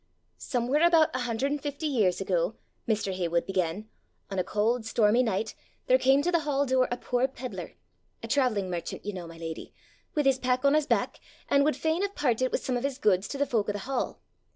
"'Somewhere about a hundred and fifty years ago,' Mr. Heywood began, 'on a cold, stormy night, there came to the hall door a poor pedlar,' a travelling merchant, you know, my leddy 'with his pack on his back, and would fain have parted with some of his goods to the folk of the hall.